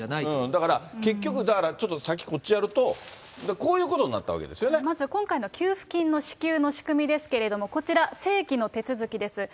だから、結局、先こっちやると、こういうことになったわけでまず今回の給付金の支給の仕組みですけれども、こちら、正規の手続きです。